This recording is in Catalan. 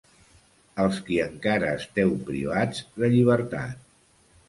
Als qui encara esteu privats de llibertat.